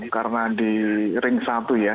karena di ring satu ya